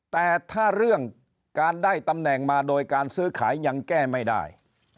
แต่ถ้าเรื่องการได้ตำแหน่งมาโดยการซื้อขายยังแก้ไม่ได้